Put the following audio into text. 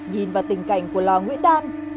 nhìn vào tình cảnh của lò nguyễn đàn